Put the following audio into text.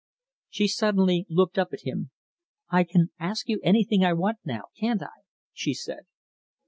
She suddenly looked up at him. "I can ask you anything I want now, can't I?" she said.